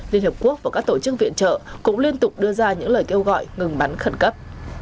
liên hợp quốc và các tổ chức viện trợ cũng liên tục đưa ra những lời kêu gọi ngừng bắn khẩn cấp